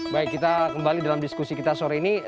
baik kita kembali dalam diskusi kita sore ini